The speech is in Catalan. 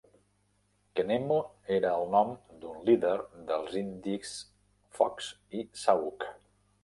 Quenemo era el nom d'un líder dels indis fox i sauk.